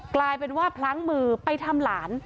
กลายเป็นว่าพลั้งมือไปทำหลาน